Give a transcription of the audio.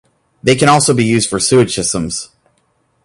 They can also be used for sewage systems.